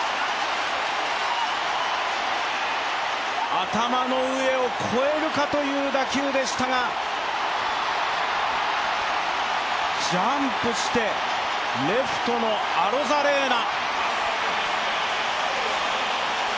頭の上を超えるかという打球でしたがジャンプして、レフトのアロザレーナ。